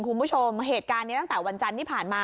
คุณผู้ชมเหตุการณ์นี้ตั้งแต่วันจันทร์ที่ผ่านมา